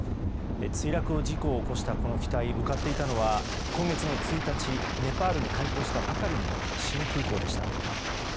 墜落事故を起こした、この機体向かっていたのは今月の１日、ネパールに開港したばかりの新空港でした。